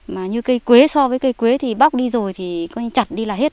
mà như cây quế so với cây quế thì bóc đi rồi thì chặt đi là hết